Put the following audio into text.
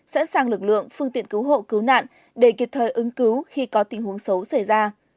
sẵn sàng lực lượng phương tiện cứu hộ cứu nạn để kịp thời ứng cứu khi có tình huống xấu xảy ra